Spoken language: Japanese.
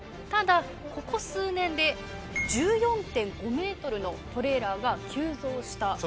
ただここ数年で１４．５ｍのトレーラーが急増した。